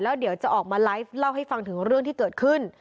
เดี๋ยวจะออกมาไลฟ์เล่าให้ฟังถึงเรื่องที่เกิดขึ้น